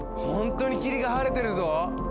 ほんとに霧が晴れてるぞ！